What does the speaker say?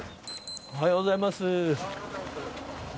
おはようございます。